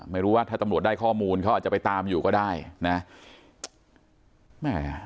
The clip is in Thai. ไม่รู้ว่าถ้าตำรวจได้ข้อมูลเขาอาจจะไปตามอยู่ก็ได้นะแม่